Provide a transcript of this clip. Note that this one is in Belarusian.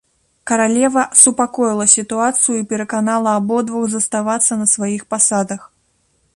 Каралева супакоіла сітуацыю і пераканала абодвух заставацца на сваіх пасадах.